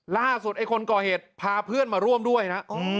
ล่าสุดไอ้คนก่อเหตุพาเพื่อนมาร่วมด้วยนะ